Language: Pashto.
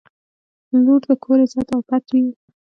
• لور د کور عزت او پت وي.